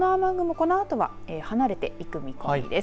このあとは離れる見込みです。